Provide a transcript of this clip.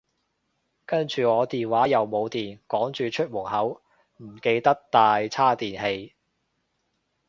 跟住我電話又冇電，趕住出門口，唔記得帶叉電器